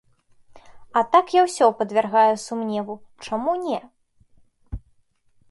А так я ўсё падвяргаю сумневу, чаму не?